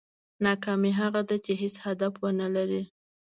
ناکامي هغه ده چې هېڅ هدف ونه لرې.